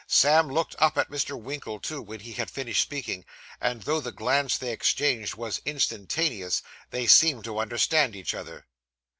Sam looked up at Mr. Winkle, too, when he had finished speaking; and though the glance they exchanged was instantaneous, they seemed to understand each other.